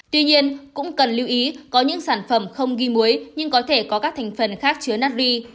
tuy nhiên cũng cần lưu ý có những sản phẩm không ghi muối nhưng có thể có các thành phần khác chứa nedve